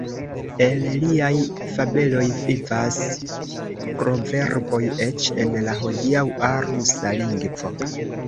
El liaj fabeloj vivas proverboj eĉ en la hodiaŭa rusa lingvo.